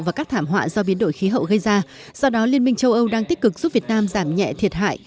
và các thảm họa do biến đổi khí hậu gây ra do đó liên minh châu âu đang tích cực giúp việt nam giảm nhẹ thiệt hại